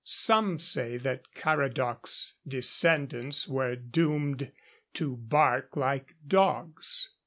Some say that Caradoc's descendants were doomed to bark like dogs.